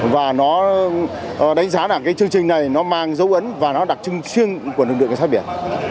và nó đánh giá là cái chương trình này nó mang dấu ấn và nó đặc trưng riêng của lực lượng cảnh sát biển